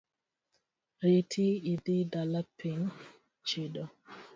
Reti idhi dala piny chido.